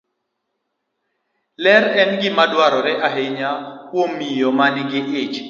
Ler en gima dwarore ahinya kuom miyo ma nigi ich.